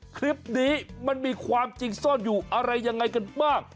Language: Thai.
คลิปนี้มันมีความจริงซ่อนอยู่อะไรยังไงกันบ้าง